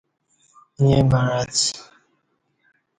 ییں مع اڅ۔